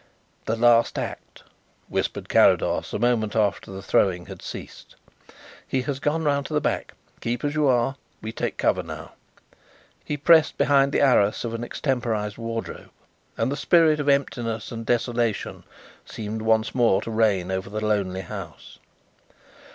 "The last act," whispered Carrados, a moment after the throwing had ceased. "He has gone round to the back. Keep as you are. We take cover now." He pressed behind the arras of an extemporized wardrobe, and the spirit of emptiness and desolation seemed once more to reign over the lonely house.